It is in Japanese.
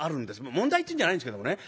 問題っていうんじゃないんですけどもね。